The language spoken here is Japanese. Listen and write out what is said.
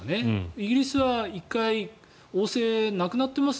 イギリスは１回、王制なくなってます